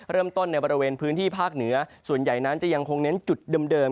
ในบริเวณพื้นที่ภาคเหนือส่วนใหญ่นั้นจะยังคงเน้นจุดเดิม